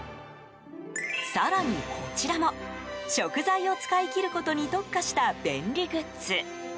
更に、こちらも食材を使い切ることに特化した便利グッズ。